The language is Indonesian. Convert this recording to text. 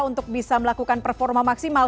untuk bisa melakukan performa maksimal